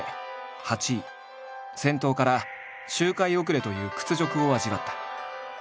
先頭から周回遅れという屈辱を味わった。